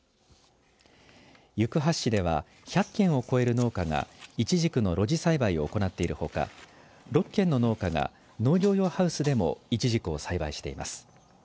行橋市では１００軒を超える農家がいちじくの露地栽培を行っているほか６軒の農家が農業用ハウスでもいちじくを栽培しています。